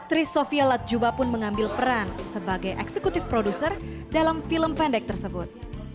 tris sofia latjuba pun mengambil peran sebagai eksekutif produser dalam film pendek tersebut